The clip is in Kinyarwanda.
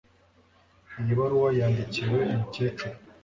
Iyi baruwa yandikiwe umukecuru